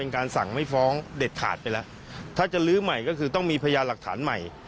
ก็คือต้องมีพยาหลักฐานใหม่